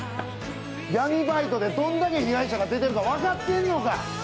闇バイトでどんだけ被害者が出てるのか分かってんのか！